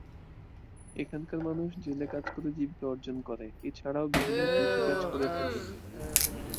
এখানকার মানুষ জেলে কাজ করে জীবিকা অর্জন করে এছাড়াও বিভিন্ন কৃষি কাজ করে থাকে।